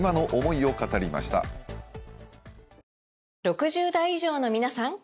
６０代以上のみなさん！